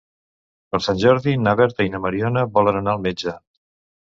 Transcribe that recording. Per Sant Jordi na Berta i na Mariona volen anar al metge.